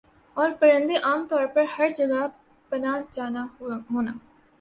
اورپرندے عام طور پر ہَر جگہ پانا جانا ہونا